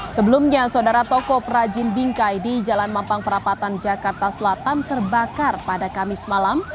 sebelumnya saudara toko prajin bingkai di jalan mampang perapatan jakarta selatan terbakar pada kamis malam